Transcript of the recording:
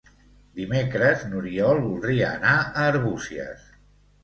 Dimecres n'Oriol voldria anar a Arbúcies.